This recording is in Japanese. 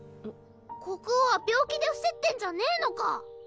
国王は病気でふせってんじゃねぇのか？